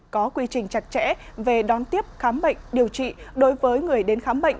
có quy trình chặt chẽ về đón tiếp khám bệnh điều trị đối với người đến khám bệnh